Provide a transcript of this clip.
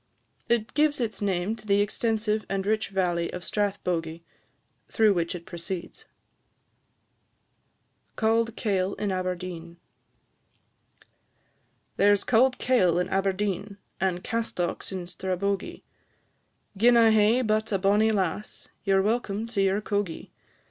It gives its name to the extensive and rich valley of Strathbogie, through which it proceeds. CAULD KAIL IN ABERDEEN. There 's cauld kail in Aberdeen, And castocks in Strabogie; Gin I hae but a bonnie lass, Ye 're welcome to your cogie.